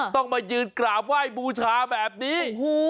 ต้องมายืนกราบไหว้บูชาแบบนี้